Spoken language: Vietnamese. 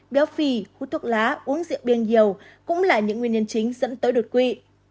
béo phì hút thuốc lá uống rượu biên nhiều cũng là những nguyên nhân chính dẫn tới đột quỷ